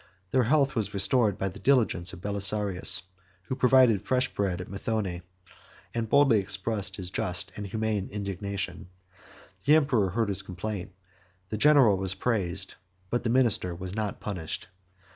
Their health was restored by the diligence of Belisarius, who provided fresh bread at Methone, and boldly expressed his just and humane indignation; the emperor heard his complaint; the general was praised but the minister was not punished.